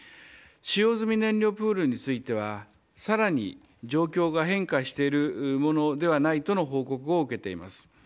使用済み燃料プールについてはさらに状況が変化するものではないとの報告を受けています。